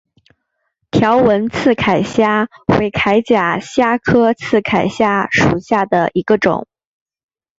条纹刺铠虾为铠甲虾科刺铠虾属下的一个种。